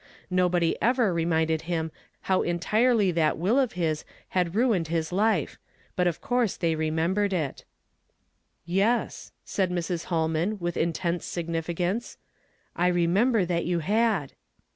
Nohody ever icmiiided him how entirely that will of his had ruined liis life, but of coui se they remembered it. " Yes," said Mrs. Plolman Avith intense siouiii cance ;" I remember that you had."